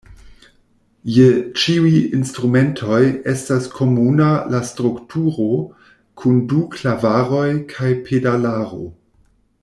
Je ĉiuj instrumentoj estas komuna la strukturo kun du klavaroj kaj pedalaro.